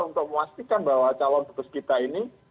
untuk memastikan bahwa calon dubes kita ini